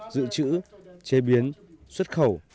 dự trữ chế biến xuất khẩu